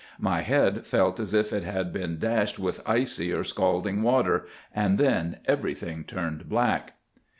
My head felt as if it had been dashed with icy or scalding water, and then everything turned black.